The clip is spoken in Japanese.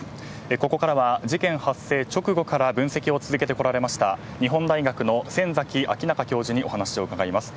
ここからは事件発生直後から分析を続けてこられました日本大学の先崎彰容教授にお話を伺います。